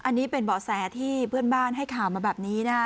อันนี้เป็นเบาะแสที่เพื่อนบ้านให้ข่าวมาแบบนี้นะฮะ